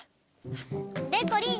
でこりん！